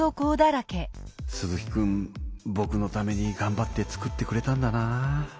鈴木くんぼくのためにがんばって作ってくれたんだなぁ。